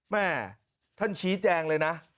แม่ท่านชี้แจงเลยนะ